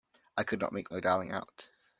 I could not make my darling out.